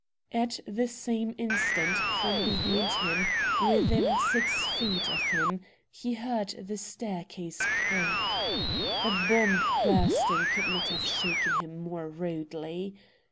At the same instant from behind him, within six feet of him, he heard the staircase creak. A bomb bursting could not have shaken him more rudely.